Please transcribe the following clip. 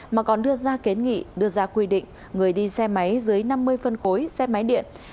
mà còn đưa ra kiến nghị đưa ra quy định người đi xe máy dưới năm mươi phân khối xe máy điện